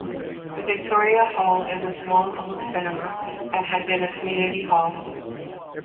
The Victoria Hall is a small old cinema, that had been a community hall.